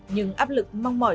nhưng áp lực mong mỏi